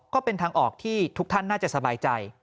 ก็เป็นทางออกที่ทุกท่านน่าจะสบายใจ